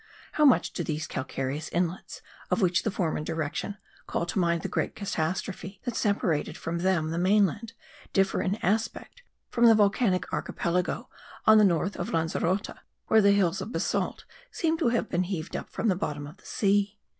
How much do these calcareous islets, of which the form and direction call to mind the great catastrophe that separated from them the mainland, differ in aspect from the volcanic archipelago on the north of Lanzerote where the hills of basalt seem to have been heaved up from the bottom of the sea!